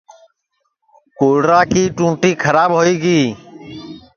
کولرا کی ٹونٚٹی کھراب ہوئی گی